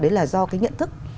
đấy là do cái nhận thức